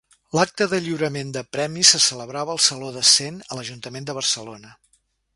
L'acte de lliurament de premis se celebrava al Saló de Cent, a l'Ajuntament de Barcelona.